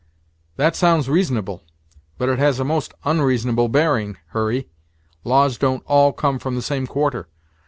"That sounds reasonable; but it has a most onreasonable bearing, Hurry. Laws don't all come from the same quarter.